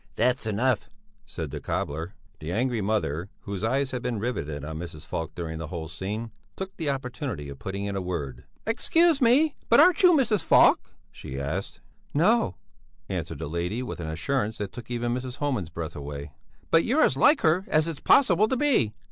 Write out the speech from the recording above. "That's enough!" said the cobbler. The angry mother, whose eyes had been riveted on Mrs. Falk during the whole scene, took the opportunity of putting in a word. "Excuse me, but aren't you Mrs. Falk?" she asked. "No," answered that lady with an assurance which took even Mrs. Homan's breath away. "But you're as like her as its possible to be!